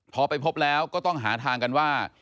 พอไปพบแล้วก็ต้องหาทางกันว่า